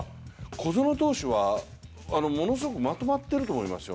小園投手は、ものすごくまとまってると思いますよ。